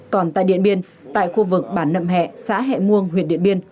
còn tại điện biên tại khu vực bản nậm hẹ xã hệ muông huyện điện biên